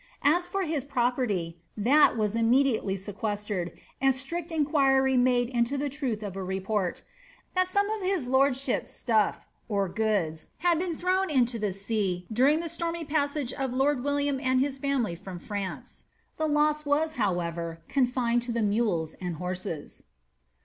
As for hit property, tkd was immediately sequestered, and strict inquiry made into the truth oft report, that some of his lordship^s stulT (^goods) had been thrown iaio the sea during the stormy passage of lord William and hia &mily froa France." The loss was, however, confined to the mtdea and hortet.